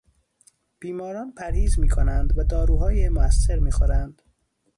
بیماران پرهیز میکنند و داروهای موثر میخورند.